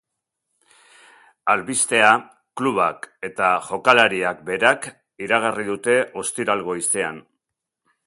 Albistea klubak eta jokalariak berak iragarri dute ostiral goizean.